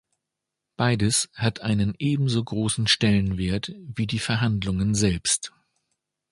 Beides hat einen ebenso großen Stellenwert wie die Verhandlungen selbst.